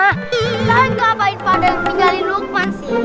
kalian ngapain pada tinggalin lukman sih